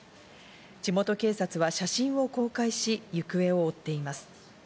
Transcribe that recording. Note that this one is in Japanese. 地元警察は写真を公開し、行方を追っています。